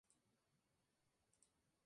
Al año siguiente murió de cáncer.